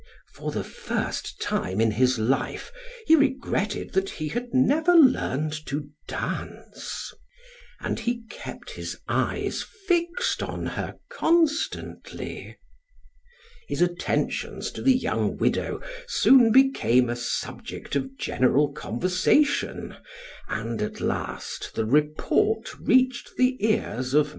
For the first time in his life he regretted that he had never learned to dance, and he kept his eyes fixed on her constantly. His attentions to the young widow soon became a subject of general conversation, and, at last, the report reached the ears of M.